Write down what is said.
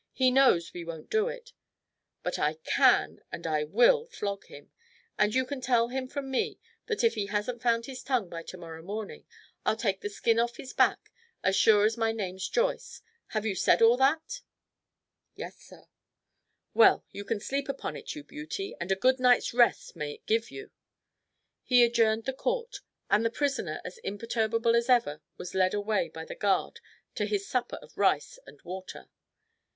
He knows we won't do it. But I can and I will flog him, and you can tell him from me that if he hasn't found his tongue by to morrow morning I'll take the skin off his back as sure as my name's Joyce. Have you said all that?" "Yes, sir." "Well, you can sleep upon it, you beauty, and a good night's rest may it give you!" He adjourned the Court, and the prisoner, as imperturbable as ever, was led away by the guard to his supper of rice and water.